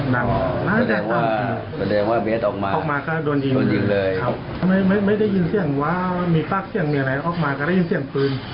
แล้วแน่ใจว่าแน่ใจว่าเบสออกมาออกมาก็โดนยิงเลยครับไม่ได้ยินเสียงว้าวมีปลั๊กเสียงมีอะไรออกมาก็ได้ยินเสียงปืน